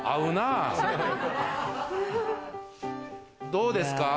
どうですか？